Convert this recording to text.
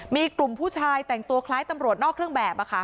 มีกลุ่มผู้ชายแต่งตัวคล้ายตำรวจนอกเครื่องแบบ